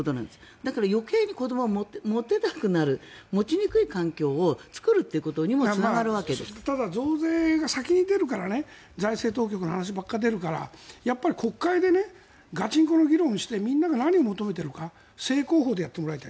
だから余計に子どもを持てなくなる持ちにくい環境を作るということにもただ増税が先に出るから財政当局の話ばかり出るから国会でガチンコの話をしてみんなが何を求めているか正攻法でやってもらいたい。